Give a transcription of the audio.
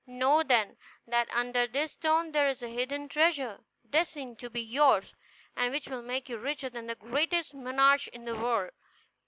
Know, then, that under this stone there is hidden a treasure, destined to be yours, and which will make you richer than the greatest monarch in the world.